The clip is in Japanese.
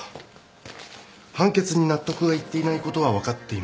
判決に納得がいっていないことは分かっていましたが。